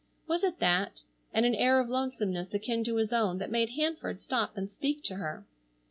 Was it that, and an air of lonesomeness akin to his own, that made Hanford stop and speak to her?